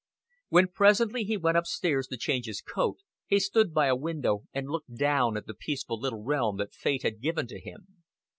When presently he went up stairs to change his coat, he stood by a window and looked down at the peaceful little realm that fate had given to him.